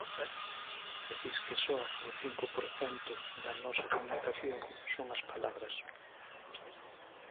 E disque só o cinco por cento da nosa comunicación son as palabras.